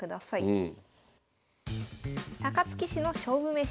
うん。